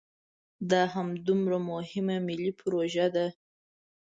دا همدومره مهمه ملي پروژه ده.